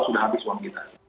kalau tahu sudah habis uang kita